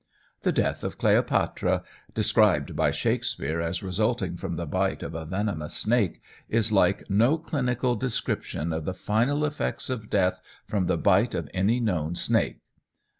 The death of Cleopatra, described by Shakespeare as resulting from the bite of a venomous snake, is like no clinical description of the final effects of death from the bite of any known snake.